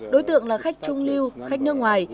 đối tượng là khách trung lưu khách nước ngoài